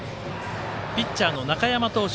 ピッチャーの中山投手